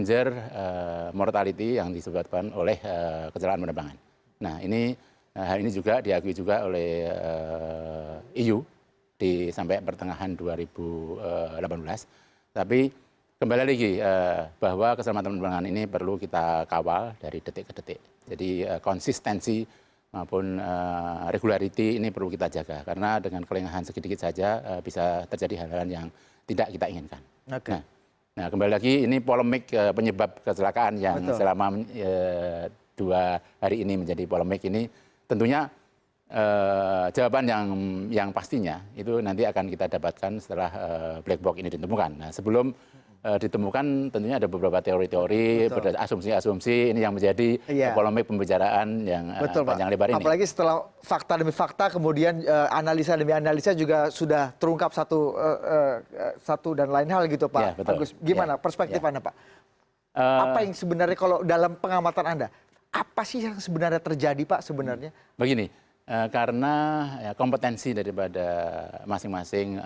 jadi sebelumnya kami baru menyampaikan belakang sekelapa kepada para korban